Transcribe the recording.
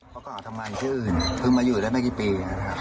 เขาก็ออกทำงานที่อื่นเพิ่งมาอยู่ได้ไม่กี่ปี